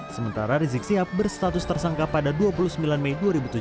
sementara rizik sihab berstatus tersangka pada dua puluh sembilan mei dua ribu tujuh belas